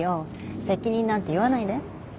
責任なんて言わないで。